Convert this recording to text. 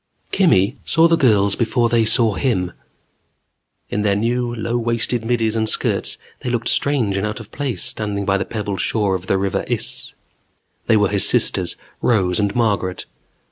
_Kimmy saw the girls before they saw him. In their new, low waisted middies and skirts, they looked strange and out of place standing by the pebbled shore of the River Iss. They were his sisters, Rose and Margaret.